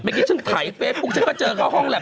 เมื่อกี้ฉันถ่ายเฟซบุ๊กฉันก็เจอเขาห้องแหลป